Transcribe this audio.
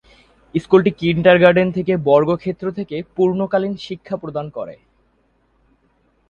স্কুলটি কিন্ডারগার্টেন থেকে বর্গক্ষেত্র থেকে পূর্ণকালীন শিক্ষা প্রদান করে।